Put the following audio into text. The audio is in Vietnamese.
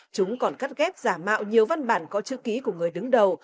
chúng còn cắt ghép giả mạo nhiều văn bản có chữ ký của người đứng đầu